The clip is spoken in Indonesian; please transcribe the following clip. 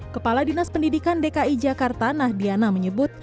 kepala dinas pendidikan dki jakarta nahdiana menyebut